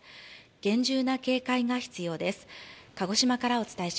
厳重な警戒が必要です。